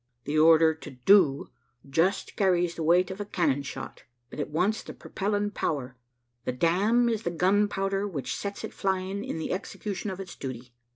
The order to do just carries the weight of a cannon shot, but it wants the perpelling power the damn is the gunpowder which sets it flying in the execution of its duty.